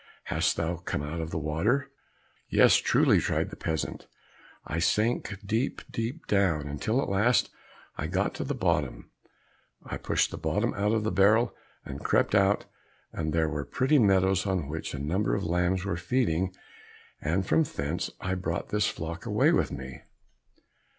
Hast thou come out of the water?" "Yes, truly," replied the peasant, "I sank deep, deep down, until at last I got to the bottom; I pushed the bottom out of the barrel, and crept out, and there were pretty meadows on which a number of lambs were feeding, and from thence I brought this flock away with me."